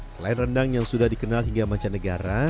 selain rendang yang sudah dikenal hingga mancanegara